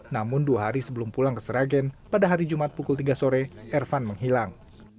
namun dua hari sebelum pulang ke sragen pada hari jumat pukul tiga sore ervan menghilang